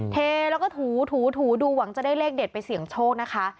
เทแล้วก็ถูถูดูหวังจะได้เลขเด็ดไปเสี่ยงโชคนะคะ